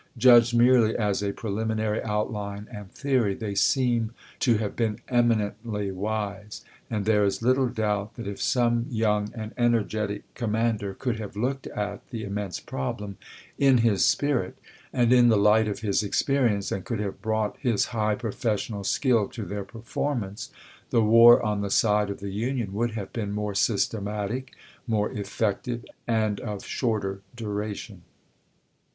Judged merely as a preliminary outline and theory, they seem to have been eminently wise; and there is SCOTT'S ANACONDA 307 little doubt that if some young and energetic com ch. xvii. mander could have looked at the immense problem in his spu'it, and in the light of his experience, and could have brought his high professional skill to their performance, the war on the side of the Union would have been more systematic, more effective, and of shorter duration.